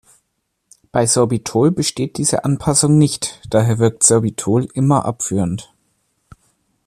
Bei Sorbitol besteht diese Anpassung nicht, daher wirkt Sorbitol immer abführend.